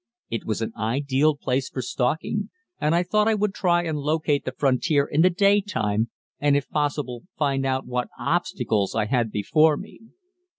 It was an ideal place for stalking, and I thought I would try and locate the frontier in the day time and if possible find out what obstacles I had before me.